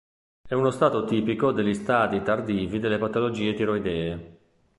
È uno stato tipico degli stadi tardivi delle patologie tiroidee.